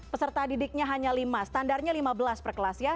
peserta didiknya hanya lima standarnya lima belas per kelas ya